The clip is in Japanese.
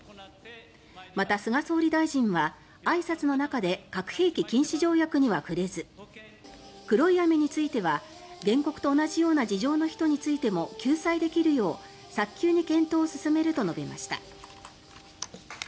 また、菅総理大臣はあいさつの中で核兵器禁止条約には触れず黒い雨については原告と同じような事情の人についても救済できるよう早急に検討を進めると述べました。